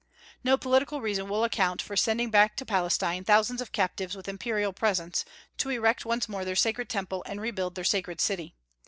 No political reason will account for sending back to Palestine thousands of captives with imperial presents, to erect once more their sacred Temple and rebuild their sacred city.